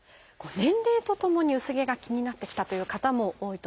年齢とともに薄毛が気になってきたという方も多いと思います。